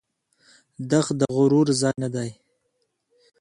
دښته د غرور ځای نه دی.